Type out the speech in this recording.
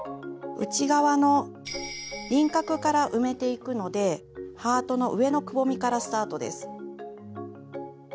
内側の輪郭から埋めていくのでハートの上のくぼみからスタートです。